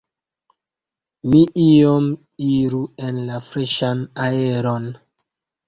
Ni iom iru en la freŝan aeron.